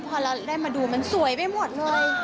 พอเราได้มาดูมันสวยไปหมดเลย